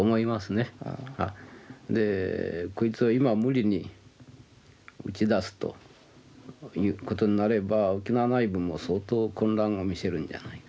でこいつを今無理に打ち出すということになれば沖縄内部も相当混乱を見せるんじゃないかという感じがいたします。